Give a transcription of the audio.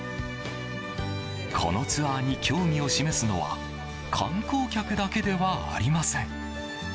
このツアーに興味を示すのは観光客だけではありません。